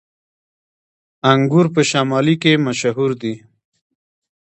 انګور په شمالی کې مشهور دي